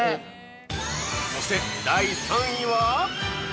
◆そして、第３位は！